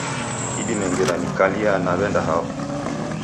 Idime ngera nikalia naw'enda hao